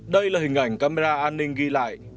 đây là hình ảnh camera an ninh ghi lại